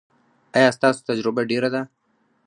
ایا ستاسو تجربه ډیره ده؟